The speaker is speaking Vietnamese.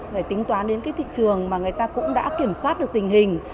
để tính toán đến cái thị trường mà người ta cũng đã kiểm soát được tình hình